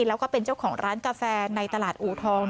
แล้วก็เป็นเจ้าของร้านกาแฟในตลาดอูทอง